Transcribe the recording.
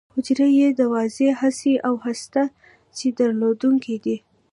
حجرې یې د واضح هستې او هسته چي درلودونکې دي.